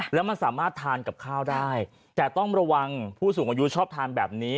แล้วมันสามารถทานกับข้าวได้แต่ต้องระวังผู้สูงอายุชอบทานแบบนี้